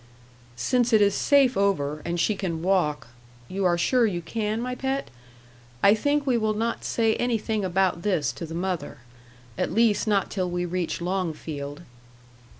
"Since it is safe over, and she can walk you are sure you can, my pet? I think we will not say anything about this to the mother; at least not till we reach Longfield."